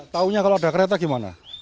taunya kalau ada kereta gimana